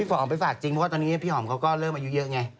พอหอมไปฝากจริงเพราะว่าตอนนี้พี่หอมเขาก็เริ่มอายุเยอะไง